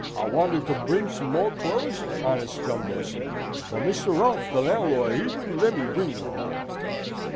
"I wanted to bring some more clothes," honest Gumbo said; "but Mr. Ruff, the landlord, he wouldn't let me bring no more."